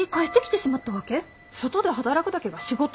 外で働くだけが仕事？